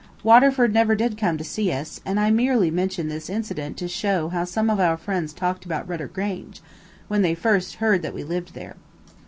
Waterford never did come to see us, and I merely mention this incident to show how some of our friends talked about Rudder Grange, when they first heard that we lived there.